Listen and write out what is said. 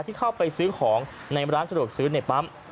ที่เข้าไปซื้อของในร้านสะดวกซื้อในปั๊ม